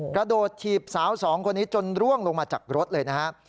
กระโดดถีบสาวสองคนนี้จนร่วงลงมาจากรถเลยนะครับ